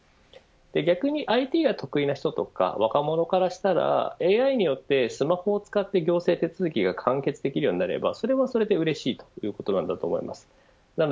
逆にＩＴが得意な人とか若者からしたらＡＩによってスマホを使って行政手続きが完結的にできるようになればそれはそれでうれしいということなんだと思います。